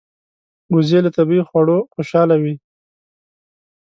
وزې له طبیعي خواړو خوشاله وي